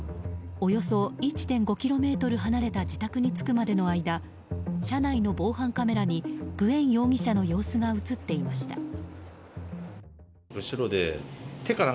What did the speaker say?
およそ１．５ｋｍ離れた自宅に着くまでの間車内の防犯カメラにグエン容疑者の様子が映っていました。